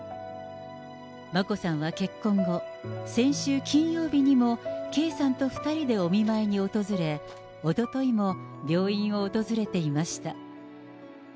眞子さんは結婚後、先週金曜日にも圭さんと２人でお見舞いに訪れ、おとといも病院を訪れていました。